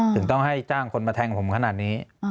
ถึงต้องให้จ้างคนมาแทงผมขนาดนี้